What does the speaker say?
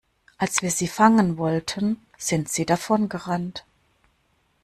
Als wir sie fangen wollten, sind sie davongerannt.